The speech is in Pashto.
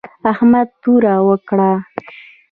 احمد توره وکړه